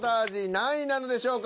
何位なのでしょうか？